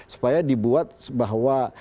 supaya dibuat bahwa